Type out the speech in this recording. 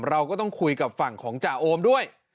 เราก็ต้องคุยกับฝั่งของจ่าโอมด้วย